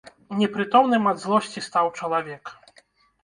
Непрытомным ад злосці стаў чалавек.